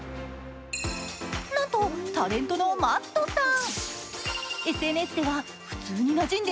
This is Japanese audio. なんと、タレントのＭａｔｔさん。